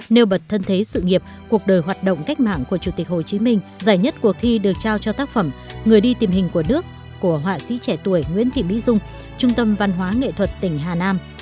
nêu bật thân thế sự nghiệp cuộc đời hoạt động cách mạng của chủ tịch hồ chí minh giải nhất cuộc thi được trao cho tác phẩm người đi tìm hình của nước của họa sĩ trẻ tuổi nguyễn thị mỹ dung trung tâm văn hóa nghệ thuật tỉnh hà nam